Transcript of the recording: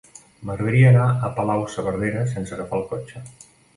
M'agradaria anar a Palau-saverdera sense agafar el cotxe.